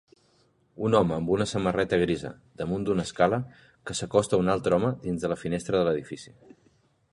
Un home amb una samarreta grisa damunt d'una escala que s'acosta a un altre home dins de la finestra de l'edifici